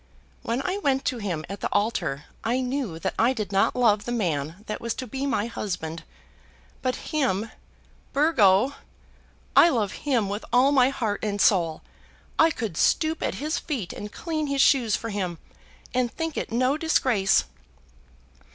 When I went to him at the altar, I knew that I did not love the man that was to be my husband. But him, Burgo, I love him with all my heart and soul. I could stoop at his feet and clean his shoes for him, and think it no disgrace!"